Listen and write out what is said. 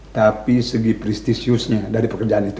tapi segi prestisiusnya dari pekerjaan itu